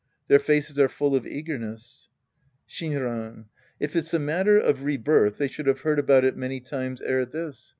Their faces are full of eagerness. Shinran. If it's the matter of rebirth, they should have heard about it many times ere this.